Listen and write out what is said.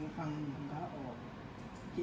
ประโยชน์